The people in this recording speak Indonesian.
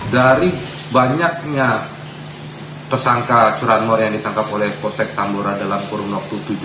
dari banyaknya tersangka curanmor yang ditangkap oleh polsek tambora dalam kurun waktu tujuh bulan